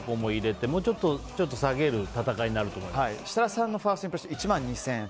ただ、ちょっと下げる設楽さんのファーストインプレッション１万２０００円。